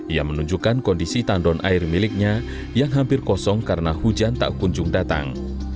ia menunjukkan kondisi tandon air miliknya yang hampir kosong karena hujan tak kunjung datang